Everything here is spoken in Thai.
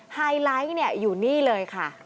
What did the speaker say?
ไฮไลท์อยู่นี่เลยค่ะ